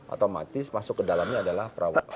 otomatis masuk ke dalamnya adalah perawat